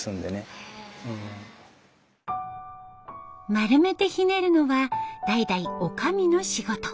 丸めてひねるのは代々おかみの仕事。